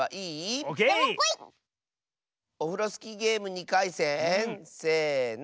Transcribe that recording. オフロスキーゲーム２かいせんせの。